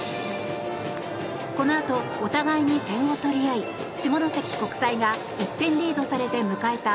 このあとお互いに点を取り合い下関国際が１点リードされて迎えた